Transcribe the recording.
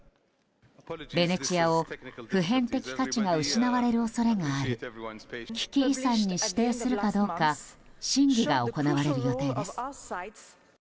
ベネチアを普遍的価値が失われる恐れがある危機遺産に指定するかどうか審議が行われる予定です。